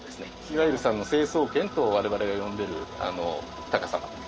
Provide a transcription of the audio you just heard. いわゆる成層圏と我々が呼んでる高さまで。